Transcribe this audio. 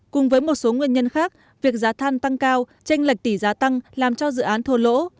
cùng với một số nguyên nhân khác việc giá than tăng cao tranh lệch tỷ giá tăng làm cho dự án thua lỗ